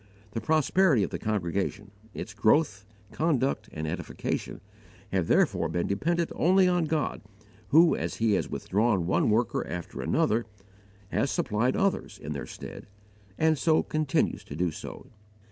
The prosperity of the congregation, its growth, conduct, and edification, have therefore been dependent only on God, who, as He has withdrawn one worker after another, has supplied others in their stead, and so continues to do.